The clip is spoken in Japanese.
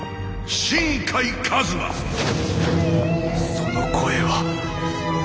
その声は。